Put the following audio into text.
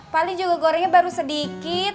paling juga gorengnya baru sedikit